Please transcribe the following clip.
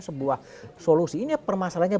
sebuah solusi ini permasalahannya